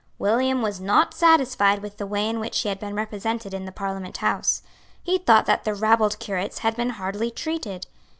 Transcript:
William was not satisfied with the way in which he had been represented in the Parliament House. He thought that the rabbled curates had been hardly treated.